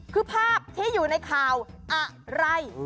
คือภาพที่อยู่ในข่าวอะไร